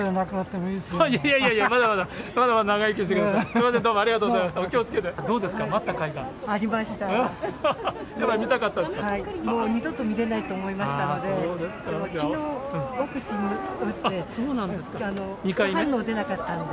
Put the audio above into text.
もう、二度と見れないと思いましたので。